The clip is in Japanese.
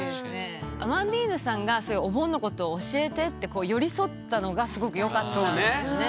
アマンディーヌさんがそういうお盆のこと教えてって寄り添ったのがすごくよかったんですよね